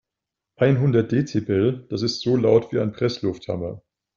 Einhundert Dezibel, das ist so laut wie ein Presslufthammer.